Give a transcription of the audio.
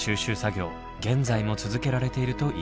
現在も続けられているといいます。